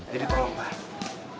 jadi tolong pak saya pergi